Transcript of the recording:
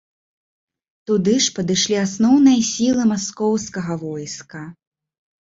Туды ж падышлі асноўныя сілы маскоўскага войска.